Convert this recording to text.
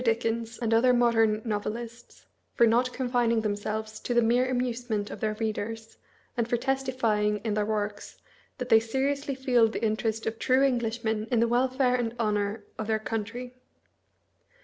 Dickens and other modern novelists, for not confining themselves to the mere amusement of their readers, and for testifying in their works that they seriously feel the interest of true Englishmen in the welfare and honor of their country.